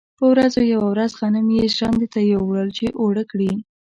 په ورځو کې یوه ورځ غنم یې ژرندې ته یووړل چې اوړه کړي.